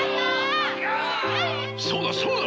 そうだそうだ！